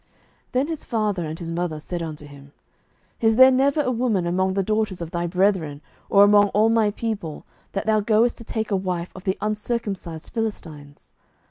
07:014:003 Then his father and his mother said unto him, Is there never a woman among the daughters of thy brethren, or among all my people, that thou goest to take a wife of the uncircumcised Philistines?